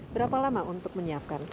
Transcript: berapa lama untuk menyiapkan